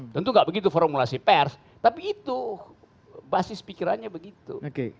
tentu nggak begitu formulasi pers tapi itu basis pikirannya begitu